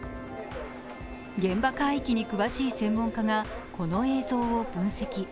現場海域に詳しい専門家がこの映像を分析。